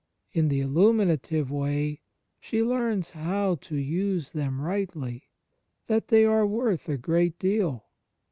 In the Illuminative Way she learns how to use them rightly — that they are worth a great deal.